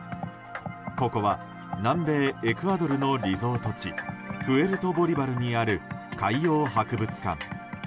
ここは南米エクアドルのリゾート地プエルトボリバルにある海洋博物館。